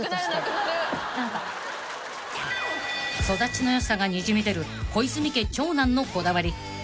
［育ちのよさがにじみ出る小泉家長男のこだわり］